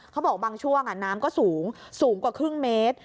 เขาบอกบางช่วงน้ำก็สูงสูงกว่าครึ่งเมตร